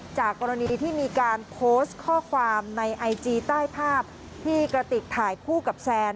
จากกรณีที่มีการโพสต์ข้อความในไอจีใต้ภาพที่กระติกถ่ายคู่กับแซน